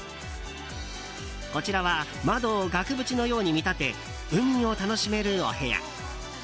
こちらは窓を額縁のように見立て海を楽しめるお部屋。